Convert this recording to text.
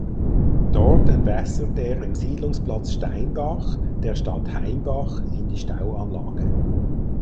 Dort entwässert er im Siedlungsplatz Steinbach der Stadt Heimbach in die Stauanlage.